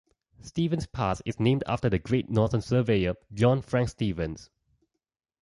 Stevens Pass is named after the Great Northern surveyor John Frank Stevens.